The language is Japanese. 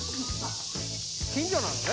近所なのね？